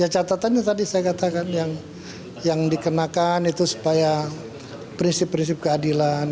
catatannya tadi saya katakan yang dikenakan itu supaya prinsip prinsip keadilan